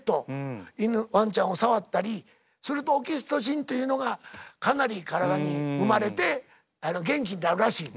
ワンちゃんを触ったりするとオキシトシンというのがかなり体に生まれて元気になるらしい。